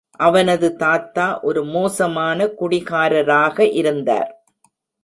அவனது தாத்தா ஒரு மோசமான குடிகாரராக இருந்தார்.